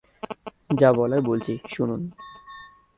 যা বলার বলছি, শুনুন।